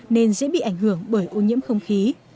nên dễ bị ảnh hưởng bởi ô nhiễm không khí